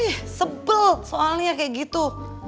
eh sebel soalnya kayak gitu